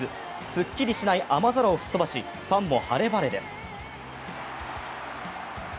すっきりしない雨空を吹っ飛ばしファンも晴れ晴れです。